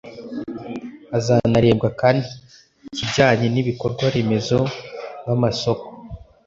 Hazanarebwa kandi ikijyanye n’ibikorwa remezo nk’amasoko